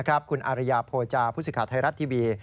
อาริยาโพจาร์พศิษฐะไทยรัฐทีวี